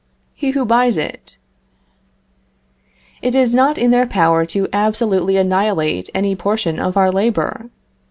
he who buys it. It is not in their power to absolutely annihilate any portion of our labor.